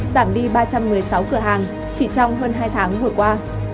giảm đi ba trăm một mươi sáu cửa hàng chỉ trong hơn hai tháng vừa qua